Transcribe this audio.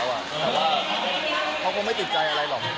แต่ว่าเขาคงไม่ติดใจอะไรหรอก